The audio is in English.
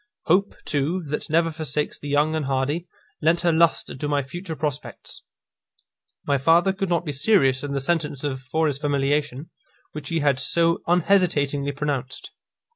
Hope, too, that never forsakes the young and hardy, lent her lustre to my future prospects. My father could not be serious in the sentence of foris familiation, which he had so unhesitatingly pronounced.